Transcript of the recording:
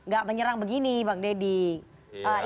gak menyerang begini bang deddy